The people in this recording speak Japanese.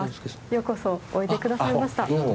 ようこそおいでくださいました。